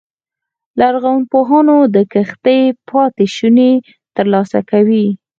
لرغونپوهان د کښتۍ پاتې شونې ترلاسه کوي